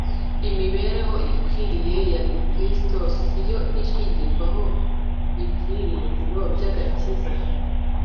Imibereho ikwiriye ya gikristo si yo ishingirwaho ibyiringiro by'agakiza.